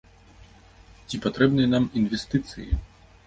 Ці патрэбныя нам інвестыцыі?